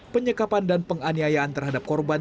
penyekapan dan penganiayaan terhadap korban